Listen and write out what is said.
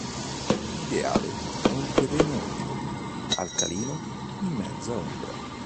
Ideale è un terreno umido, alcalino in mezza ombra.